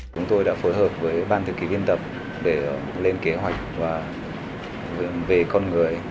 chúng tôi đã phối hợp với ban thư ký biên tập để lên kế hoạch về con người